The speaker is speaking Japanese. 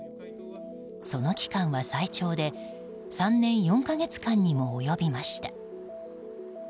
その期間は最長で３年４か月間にも及びました。